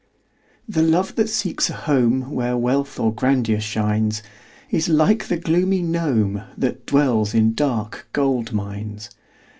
The love that seeks a home Where wealth or grandeur shines, Is like the gloomy gnome, That dwells in dark gold mines.